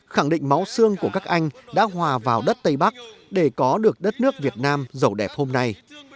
khẳng định máu xương của các anh đã hòa vào đất tây bắc để có được đất nước việt nam giàu đẹp hôm nay